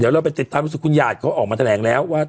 เดี๋ยวเราไปติดตามรู้สึกคุณหยาดเขาออกมาแถลงแล้วว่า